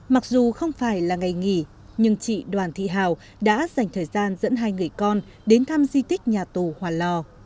mặc dù không phải là ngày nghỉ nhưng chị đoàn thị hào đã dành thời gian dẫn hai người con đến thăm di tích nhà tù hòa lò